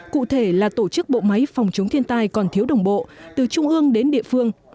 cụ thể là tổ chức bộ máy phòng chống thiên tai còn thiếu đồng bộ từ trung ương đến địa phương